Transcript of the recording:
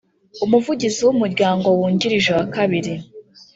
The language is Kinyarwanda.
umuvugizi w umuryango wungirije wa kabiri